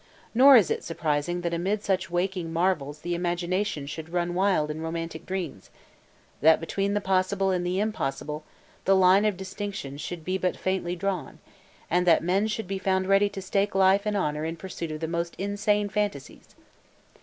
Nor is it surprising that amid such waking marvels the imagination should run wild in romantic dreams; that between the possible and the impossible the line of distinction should be but faintly drawn, and that men should be found ready to stake life and honor in pursuit of the most insane fantasies.